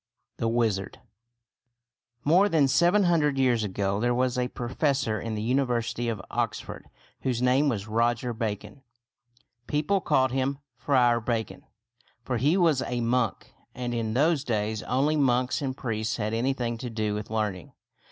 THE WIZARD More than seven hundred years ago there was a professor in the University of Oxford whose name was Roger Bacon. People called him Friar Bacon ; for he was a monk, and in those days only monks and priests had anything to do with learning.